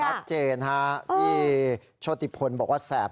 ชัดเจนฮะที่โชติพลบอกว่าแสบ